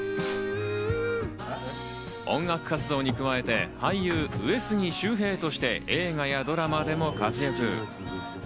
音楽活動に加えて、俳優・上杉柊平として映画やドラマでも活躍。